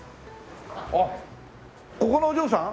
あっここのお嬢さん？